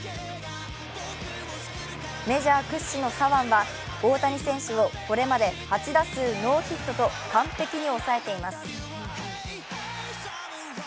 メジャー屈指の左腕は大谷選手をこれまで８打数ノーヒットと完璧に抑えています。